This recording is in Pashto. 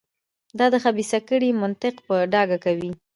دا د خبیثه کړۍ منطق په ډاګه کوي.